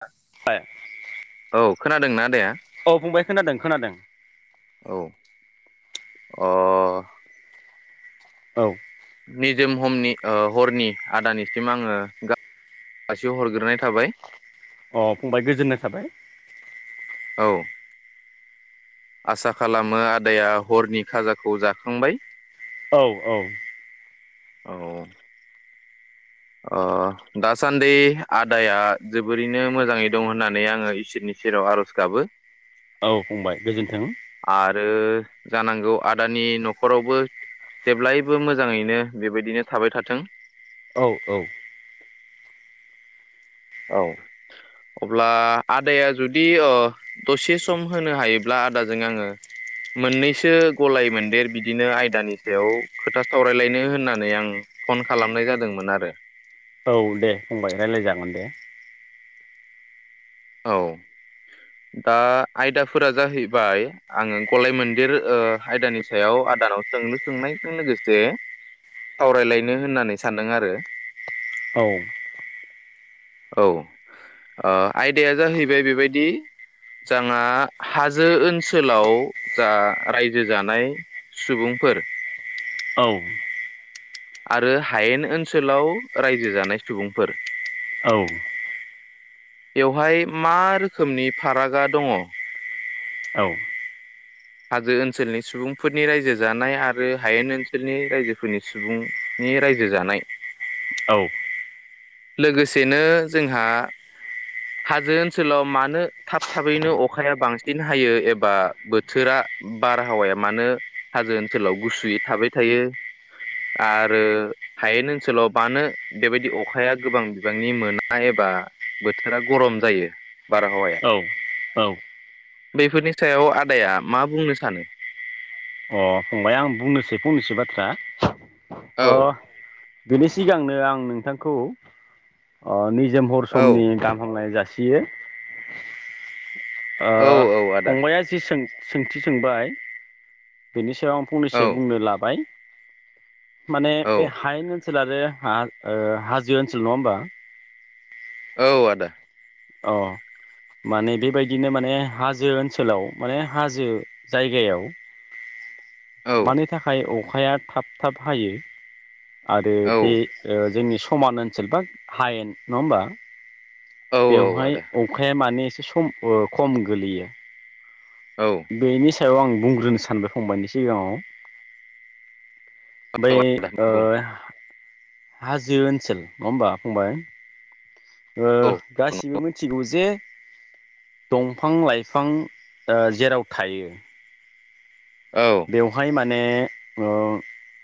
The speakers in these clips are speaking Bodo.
[unintelligible] औ खोनादों ना आदाया औ फंबाय खोनादों खोनादों औ अ औ निजोम हमनि ओ हरनि आदानिसिम आङो [unintelligible] सिहरग्रोनाय थाबाय अ फंबाय गोजोन्नाय थाबाय। औ आसा खालामो आदाया हरनि खाजाखौ जाखांबाय। औ औ औ ओ दासान्दै आदाया जोबोरैनो मोजाङै दं होननानै आङो इसोरनि सेराव आर'ज गाबो। औ फंबाय गोजोन्थों। आरो जानांगौ आदानि न'खरावबो जेब्लायबो मोजाङैनो बेबायदिनो थाबाय थाथों। औ औ औ अब्ला आदाया जुदि ओ दसे सम होनो हायोब्ला आदाजों आङो मोननैसो गलाय मोनदेर बिदिनो आयदानि सायाव खोथा सावरायलायनो होननानै आं फन खालामनाय जादोंमोन आरो औ दे फंबाय रायलाय जागोन दे। औ दा आयदाफोरा जाहैबाय आङो गलाय मोनदेर ओ आयदानि सायाव आदानाव सोंलु सोंनायजों लोगोसे सावरायलायनो होननानै सानदों आरो औ औ ओ आयदाया जाहैबाय बेबायदि जांहा हाजो ओनसोलाव जा रायजो जानाय सुबुंफोर औ आरो हायेन ओनसोलाव रायजो जानाय सुबुंफोर औ बेवहाय मा रोखोमनि फारागा दङ? औ हाजो ओनसोलनि सुबुंफोरनि रायजो जानाय आरो हायेन ओनसोलनि रायजोफोरनि सुबुंनि रायजो जानाय लोगोसेनो जोंहा हाजो ओनसोलाव मानो थाब थाबैनो अखाया बांसिन हायो एबा बोथ थोरा बारहावाया मानो हाजो ओनसोलाव गुसुयै थाबाय थायो आरो हायेन ओनसोलाव मानो बेबायदि अखाया गोबां बिबांनि मोना एबा बोथोरा गरम जायो बारहावाया औ औ बेफोरनि सायाव आदाया मा बुंनो सानो अ फंबाय आं बुंनोसै फंनैसो बाथ्रा औ अ बेनि सिगांनो आं नोंथांखौ जों हर औ समनि गाहाम हामलायनाय जासिगो यो ओ औ औ आदा फंबाया जि सों सोंथि सोंबाय बेनि सो ङाव आं औ फंनैसो बुंनो लाबाय माने औ बे हायेन ओनसोल आरो हा हाजो ओनसोल नङा होमबा औ आदा औ माने बेबायदिनो माने हा हाजो ओनसोलाव माने हाजो जायगायाव औ मानि थाखाय अखाया थाब थाब हायो आरो बे औ ओ जोंनि - समान ओनसोल बा हायेन नङा होमबा औ बेवहाय आदा अखाया माने सम ओ खम गोलैयो औ बेनिस सायाव आं बुंग्रोनो सानदो फंबायनि सिगाङाव औ बै आदा ओ बुं हाजो ओनसोल नङा होमबा फंबाय? ओ औ गासिबो मिथिगौ जे दंफां लाइफां ओ जेराव थायो औ बेवहाय माने [unintelligible]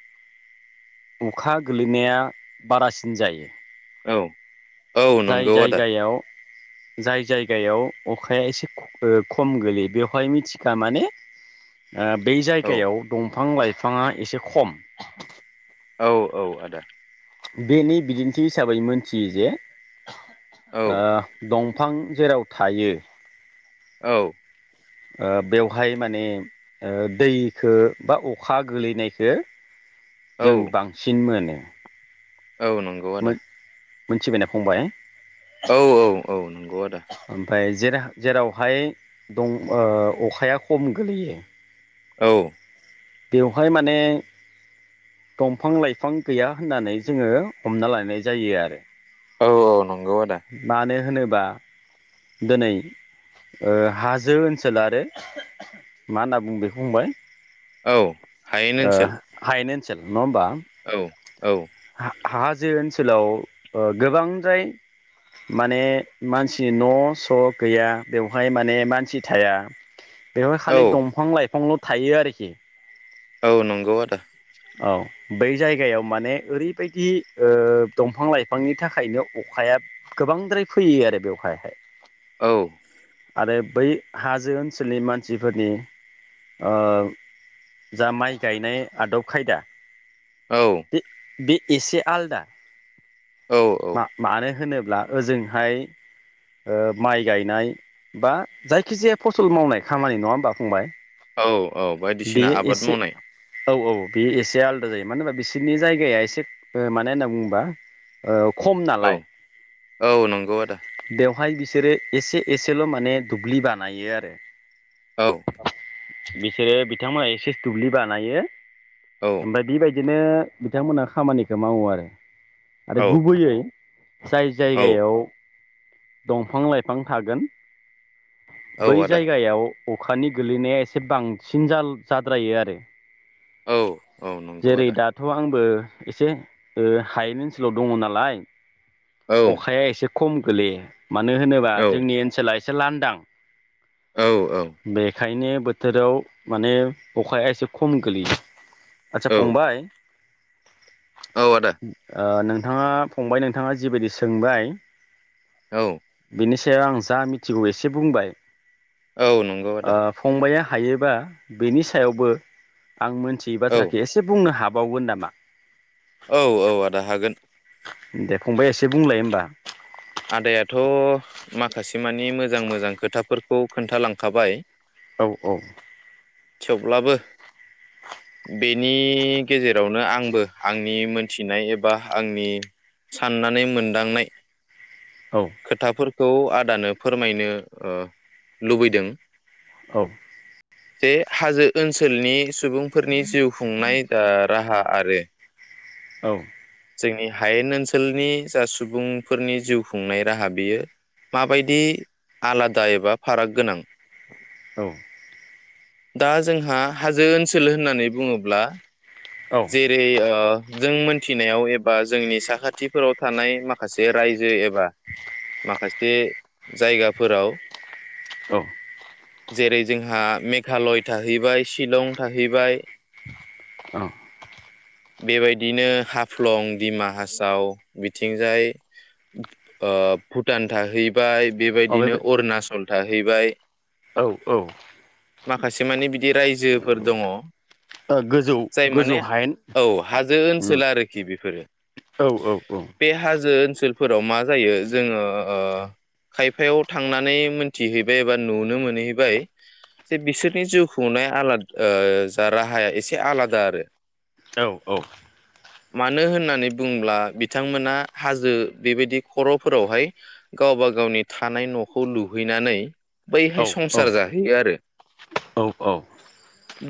अखा गोलैनाया बारासिन जायो। औ औ जाय नंगौ आदा जायगायाव जाय जायगायाव अखाया एसे ओ खम गोलैयो बेवहाय मिथिखा माने ओ बै औ जायगायाव दंफां लाइ फिफाङा एसे खम औ औ आदा बेनि बिदिन्थि हिसाबै मोनथियो जे औ ओ दं फां जेराव थायो औ ओ बेवहाय माने ओ दैखो बा अखा गोलैनायखो औ जों बांसिन मोनो। औ नंगौ आदा मोनथिबायना फंबाय? औ औ औ नंगौ आदा जे जेरावहाय दं ओ अखाया खम गोलैयो औ बेवहाय माने दंफां लाइफां गैया होननानै जोङो हमना लानाय जायो आरो औ औ नं मानो होनो बा दोनै ओ हाजो ओनसोल आरो [unintelligible] मा होनना बुङो बेखौ फंबाय? औ हायेन ओनसोल सोल नङा होमबा? औ औ हाजो ओनसोलाव ओ गोबांद्राय माने मानसिनि न' स' गैया बेवहाय माने मानसि थाया बेवहाय औ खालि दंफां लाइफांल थायो आरोखि। औ नंगौ आदा। औ बै जायगायाव माने ओरैबायदि ओ दंफां लाइफांनि थाखायल अखाया गोबांद्राय फैयो आरो बेवहाय-हाय औ। आरो बै हाजो ओनसोलनि मानसिफोरनि ओ जा माइ गायनाय आदब खायदा औ। बे बे एसे आलदा औ । मा-मानो होनो ब्ला ओजोंहाय ओ माइ गायनाय बा जायखि जाया फसल मावनाय खामानि नङा होमबा फंबाय । औ औ बायदिसिना आबाद मावनाय औ औ बेयो एसे आलदा जायो मानो होनबा बि सिनि जायगाया एसे मानो होनना बुङोबा ओ खम औ नालाय औ नंगौ आदा। बेसोरो एसे एसेल' माने दुब्लि बानायो आरो । औ। बिसोरो बिथांमोना एसेस दुब्लि बानायो । औ ओमफ्राय बि बाय बिदिनो बिथांमोना खामानिखौ मावो आरो। आरो औ गुबैयै जाय औ जायगायाव दंफां लाइफां थागोन औ बै आदा जायगायाव अखानि गोलैनाया एसे बांसिन जाद्रायो आरो औ औ । नंगौ जेरै आदा दाथ' आंबो एसे हायन ओनसोलाव दंङ नालाय औ अखाया एसे खम गोलैयो। मानो होनोबा औ जोंनि ओनसोला एसे लान्दां औ औ। ओंखायनो बोथोराव माने अखाया एसे खम गोलैयो । आदसा औ फंबाय औ आदा ओ नों नोंथाङा फंबाय नोंथाङा जिबायदि सोंबाय । औ। बेनि सायाव आं जा मिथिगौ एसे बुंबाय। औ नंगौ आदा ओ फंबाया हायोबा बेनि सायावबो आं मोनथियै औ बाथ्राखौ एसे बुंनो हाब बावगोन नामा? औ औ आदा हागोन। दे फंबाइ एसे बुंलाय होमबा। आदायाथ' माखासे मानि मोजां मोजां खोथाफोरखौ खोन्थालांखाबाय। औ औ। थेवब्लाबो बेनि गेजेरावनो आंबो आंनि मोनथिनाय एबा आंनि साननानै मोनदांनाय औ खोथाफोर खौ आदानो फोरमायनो ओ लुबैदों। औ। जे हाजो ओनसोलनि सुबुंफोरनि जिउ खुंनाय ओ राहा। आरो औ। जोंनि हायेन ओनसोलनि जा सुबुं फोरनि जिउ खुंनाय राहा बियो माबायदि आलादा एबा फाराग गोनां। औ। दा जोंहा हाजो ओनसोल होननानै बुङोब्ला औ जेरै ओ जों मोनथिनायाव एबा जोंनि साखाथिफोराव थानाय माखासे जे रायजो एबा माखासे जायगाफोराव औ जेरै जोंहा मेघालय थाहैबाय शिलं थाहैबाय। औ बेबायदिनो हाफ्लं दिमा हासाव बिथिंजाय ओ भुटान थाहैबाय। औ बेबायदिनो बे अरुणचलथा हैैबाय। औ औ। माखासे मानि बिदि रायजोफोर दङ। गोजौ जाय माने गोजौ हायेन औ हाजो ओनसोल आरोखि बेफोरो औ औ औ बे हाजो ओ ओनसोलफोराव मा जायो जोङो खायफायाव थांनानै मोनथिहैबाय एबा नुनो मोनहैबाय जे बिसोरनि जिउ खुंनाय आला जा राहाया एसे आलादा आरो औ औ। मानो होननानै बुंब्ला बिथांमोना हाजो बेबायदि खर'फोरावहाय गावबा गावनि थानाय न'खौ लुहैनानै औ बैहाय संसार जाहैयो आरो औ औ।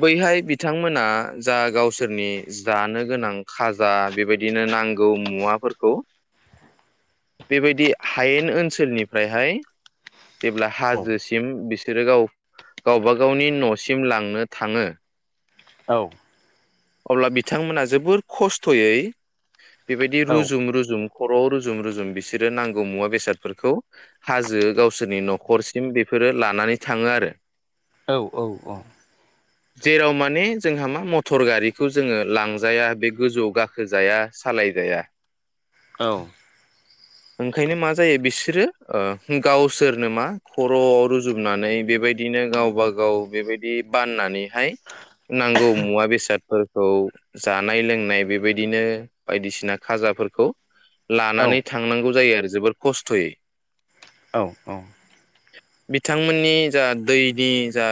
बैहाय बिथांमोना जा गावसोरनि जानो गोनां खाजा बेबायदिनो नांगौ मुवाफोरखौ बेबायदि हायेन ओनसोलनिफ्रायहाय जेब्ला हाजोसिम बिसोरो गाव गावबा गावनि न'सिम लांनो थाङो अब्ला बिथांमोना जोबोर खस्थ'यै बेबायदि रुजुम रुजुम खर' रुजुम रुजुम बिसोरो नांगौ मुवा बेसादफोरखौ हाजो गावसोरनि न'खरसिम बेफोरो लानानै थाङो आरो जेराव माने जोंहा मा मटर गारिखौ जोङो लांजाया बे गोजौआव गाखोजाया सालायजाया ओंखायनो मा जायो बिसोरो ओ गावसोरनो मा खर' रुजुनानै बेबायदिनो गावबा गाव बेबायदि बाननानैहाय नांगौ मुवा बेसादफोरखौ जानाय लोंनाय बेबायदिनो बायदिसिना खाजाफोरखौ लानानै थांनांगौ जायो आरो जबोर खस्थ'यै बिथांमोननि जा दैनि जा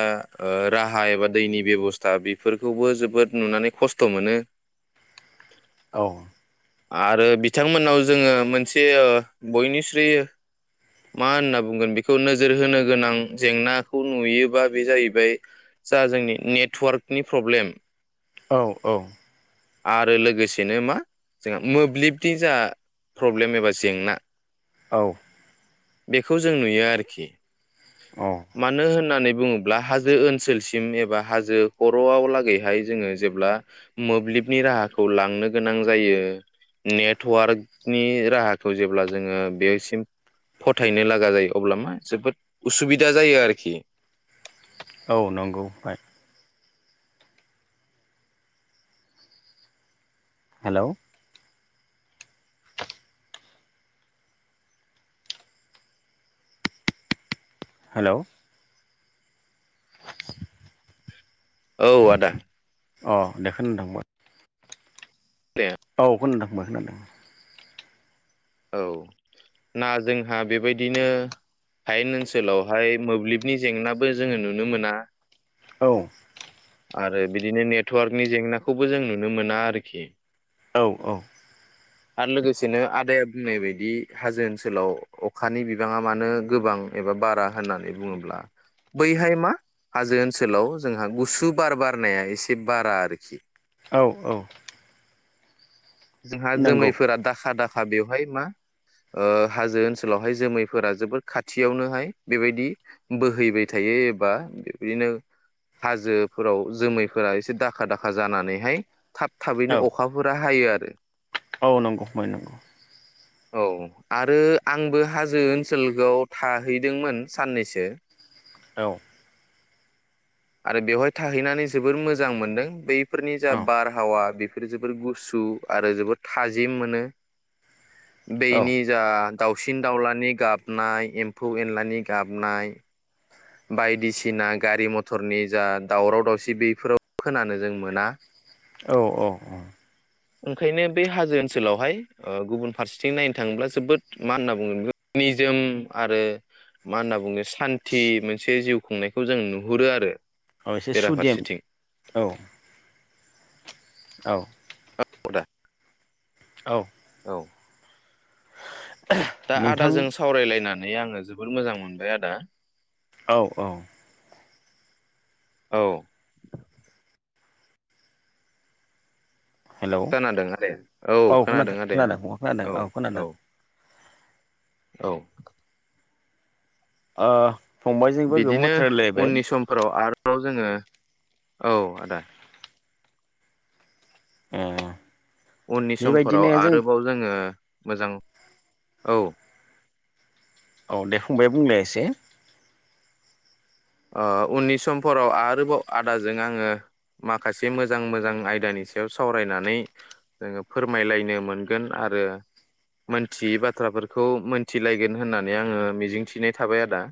राहा एबा दैनि बेबस्था बेफोरखौबो जोबोद नुनानै खस्थ' मोनो आरो बिथांमोनाव जोङो मोनसे बयनिख्रुइ मा होनना बुंगोन बेखौ नोजोर होनो गोनां जेंनाखौ नुयोबा बे जाहैबाय जा जोंनि नेटवार्कनि प्रब्लेम औ औ आरो लोगोसेनो मा जोंहा मोब्लिब ब जा प्रब्लेम एबा जेंना औ बेखौ जों नुयो आरोखि औ मानो होननानै बुङोब्ला हाजो ओनसोलसिम एबा हाजो खर'आव लागैहाय जोङो जेब्ला मोब्लिबनि राहाखौ लांनो गोनां जायो नेटवार्कनि राहाखौ जेब्ला जोङो बेसिम फथायनो लागा जायो अब्ला मा जोबोद उसुबिदा जायो आरोखि औ नंगौ। हेलौ हेलौ औ आदा अ देखौ थांबाय दे औ खोनादों फंबाय खोनादों औ ना जोंहा बेबायदिनो हायेन ओनसोलावहाय मोब्लिबनि जेंनाबो जोङो नुनो मोना आरो बिदिनो नेटवार्कनि जेंनाखौबो जों नुनो मोना आरोखि औ आरो लोगोसेनो आदाया बुंनाय बायदि हाजो ओनसोलाव अखानि बिबाङा मानो गोबां एबा बारा होननानै बुङोब्ला बैहाय मा हाजो ओनसोलाव जोंहा गुसु बार बारनाया एसे बारा आरोखि औ औ जोंहा नंगौ जोमैफोरा दाखा दाखा बेवहाय मा ओ हाजो ओनसोलावहाय जोमैफोरा जोबोर खाथियावनोहाय बेबायदि बोहैबाय थायो एबा बेबादिनो हाजोफोराव जोमैफोरा एसे दाखा दाखा जानानैहाय थाब थाबैनो औ अखाफोरा हायो आरो [unintelligible] औ आरो आंबो हाजो ओनसोलखौ थाहैदोंमोन साननैसो औ आरो बेवहाय थाहैनानै जोबोर मोजां मोनदों बैफोरनि जा औ बारहावा बेफोरो जोबोर गुसु आरो जोबोर थाजिम मोनो औ बेनि जा दाावसिन दाउलानि गाबनाय एम्फौ एनलानि गाबनाय बायदिसिना गारि [unintelligible] [unintelligible] जा दावराव दावसि बेफोराव खोनानो जों मोना औ औ औ ओंखायनो बे हाजो ओनसोलावहाय गुबुन फारसेथिं नायनो थाङोब्ला जोबोद मा होनना बुङो निजोम आरो मा होनना बुङो सान्थि मोनसे जिउ खुंनायखौ जों नु हुरो आरो औ एसे सुदेम बेराफारसेथिं औ औ खदा औ दा नोंथां आदाजों सावरायलायनानै [unintelligible] आङो जोबोर मोजां मोनबाय आदा औ औ औ हेलौ खोनादों आदाया औ खोनादों आदाया औ औ औ ओ फंबायजोंबो गोबां बिदिनो बाथ्रा रायलायबाय उननि समफोराव आरोबाव जोङो औ आदा [unintelligible] उननि समफोराव बेबायदिनो जों आरोबाव जोङो मोजां औ औ दे फंबबाय बुंलाय एसे ओ उननि समफोराव आरोबाव आदाजों आङो माखासे मोजां मोजां आयदानि सायाव सावरायनानै जोङो फोरमायलायनो मोनगोन आरो मोनथियै बाथ्राफोरखौ मोनथिलायगोन होननानै आङो मिजिंथिनाय थाबाय आदा।